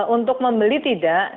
untuk membeli tidak